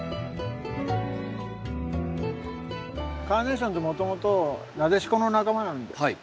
カーネーションってもともとナデシコの仲間なんです。